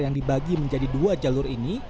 yang dibagi menjadi dua jalur ini